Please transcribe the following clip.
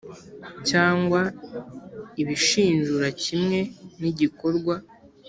cyangwa ibishinjura kimwe n igikorwa